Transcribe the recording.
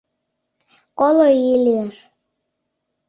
Коло ий лиеш.